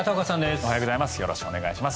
おはようございます。